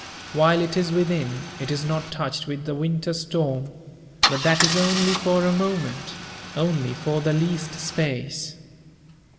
While it is within, it is not touched with the winter storm. _But that is only for a moment, only for the least space.